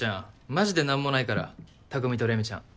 マジで何もないから匠とレミちゃん。